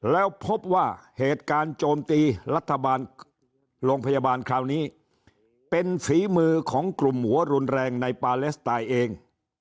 แล้วพบว่าเหตุการณ์โจมตีรัฐบาลโรงพยาบาลคราวนี้เป็นฝีมือของกลุ่มหัวรุนแรงในปาเลสไตน์เอง